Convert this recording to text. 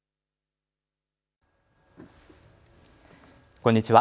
こんにちは。